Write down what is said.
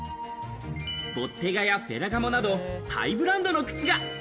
ボッテガやフェラガモなど、ハイブランドの靴が！